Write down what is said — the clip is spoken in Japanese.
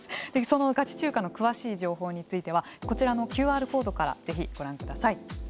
そのガチ中華の詳しい情報についてはこちらのＱＲコードからぜひご覧ください。